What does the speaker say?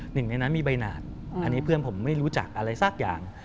หนึ่งในนั้นมีใบหนาดอันนี้เพื่อนผมไม่รู้จักอะไรสักอย่าง